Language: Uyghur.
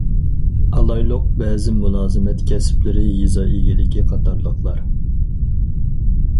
ئالايلۇق: بەزى مۇلازىمەت كەسىپلىرى، يېزا ئىگىلىكى قاتارلىقلار.